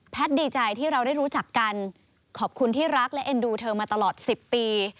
ดีใจที่เราได้รู้จักกันขอบคุณที่รักและเอ็นดูเธอมาตลอด๑๐ปี